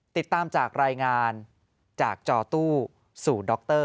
ติดตามจากรายงานจากจอตู้ศูนย์ด็อกเตอร์